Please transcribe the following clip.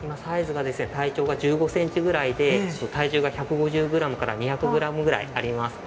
体長が１５ｃｍくらいで体重が１５０２００ｇくらいあります。